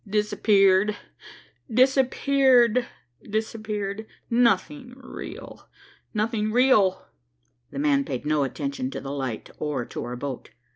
"Disappeared, disappeared, disappeared. Nothing real, nothing real!" The man paid no attention to the light or to our boat.